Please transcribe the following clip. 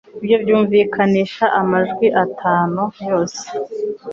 Ibyo byumvikanisha amajwi atanu yose